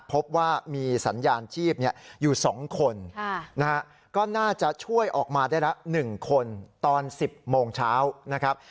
พบว่ามีสัญญาณชีพอยู่๒คนก็น่าจะช่วยออกมาได้ละ๑คนตอน๑๐โมงเช้านะครับ